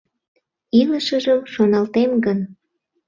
Илышыжым шоналтем гын